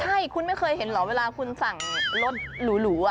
ใช่คุณไม่เคยเห็นเหรอเวลาคุณสั่งรถหรู